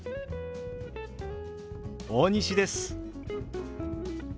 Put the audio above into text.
大西です。